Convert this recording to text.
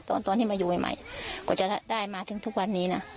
ตอนที่มาอยู่ใหม่กว่าจะได้มาถึงทุกวันนี้นะ